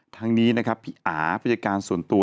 ทางนี้นะครับพี่อาบรรยากาศส่วนตัว